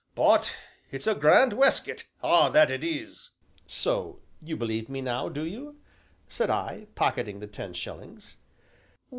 But it's a grand weskit ah, that it is!" "So you believe me now, do you?" said I, pocketing the ten shillings.